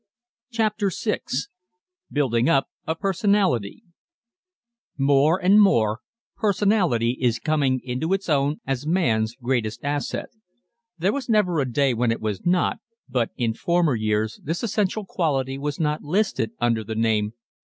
CHAPTER VI BUILDING UP A PERSONALITY More and more personality is coming into its own as man's greatest asset. There was never a day when it was not, but in former years this essential quality was not listed under the name